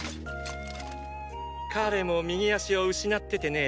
彼も右足を失っててね